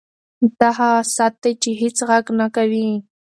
دا هغه ساعت دی چې هېڅ غږ نه کوي.